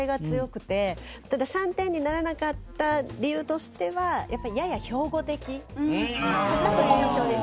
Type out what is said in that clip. ただ３点にならなかった理由としてはやや標語的かなという印象でした。